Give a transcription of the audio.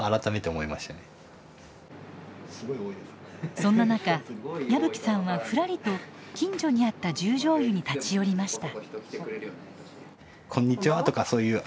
そんな中矢吹さんはふらりと近所にあった十條湯に立ち寄りました。